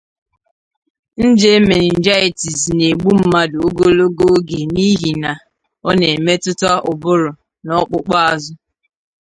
Nje meninjaitis n’egbu mmadụ ogologo oge n’ihi ọ na-emetụta ụbụrụ n’ọkpụkpụ azụ.